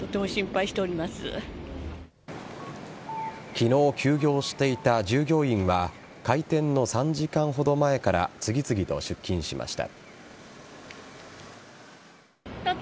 昨日、休業していた従業員は開店の３時間ほど前から次々と出勤しました。